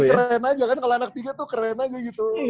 keren aja kan kalau anak tiga tuh keren aja gitu